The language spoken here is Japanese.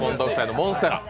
モンステラ。